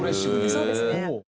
そうですね。